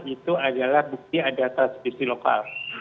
itu adalah bukti ada transmisi lokal